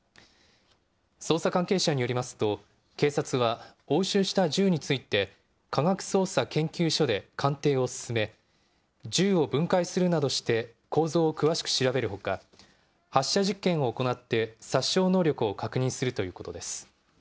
捜査関係者によりますと、警察は押収した銃について、科学捜査研究所で鑑定を進め、銃を分解するなどして構造を詳しく調べるほか、発射実験を行って殺傷能力を確認するということです。